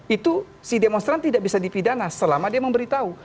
itu si demonstran tidak bisa dipidana selama dia memberitahu